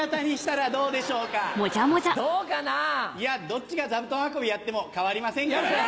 どっちが座布団運びやっても変わりませんからね。